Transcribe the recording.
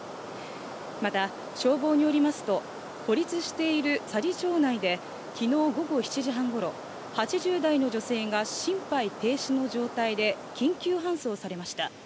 また消防によりますと、孤立している佐治町内できのう午後７時半ごろ、８０代の女性が心肺停止の状態で緊急搬送されました。